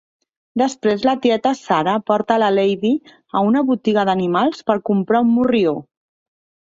Després la tieta Sarah porta la Lady a una botiga d'animals per comprar un morrió.